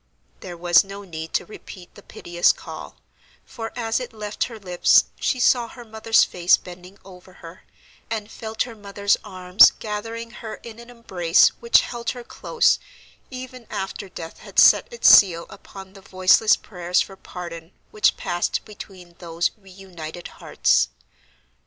There was no need to repeat the piteous call, for, as it left her lips, she saw her mother's face bending over her, and felt her mother's arms gathering her in an embrace which held her close even after death had set its seal upon the voiceless prayers for pardon which passed between those reunited hearts.